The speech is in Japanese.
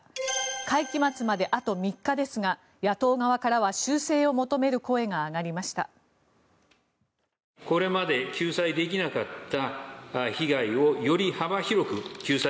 会期末まであと３日ですが野党側からは修正を求める声が上がりました。